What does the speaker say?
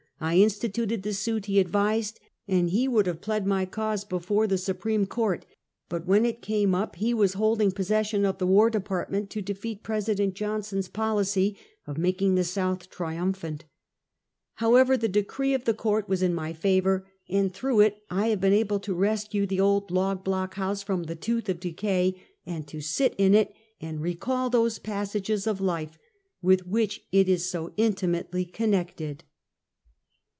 I instituted the suit lie advised, and he would liave plead my cause before the Supreme Court, but when it came up he was holding possession of the War Department to defeat President Johnson's policy of making the South tri umphant However, the decree of the court was in my favor, and through it I have been able to rescue the old log block house from the tooth of decay, and to sit in it and recall those passages of life with which it is so intimately connected.